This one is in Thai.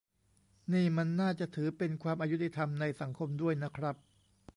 นี่มันน่าจะถือเป็นความอยุติธรรมในสังคมด้วยนะครับ